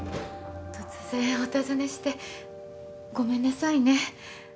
突然お訪ねしてごめんなさいね。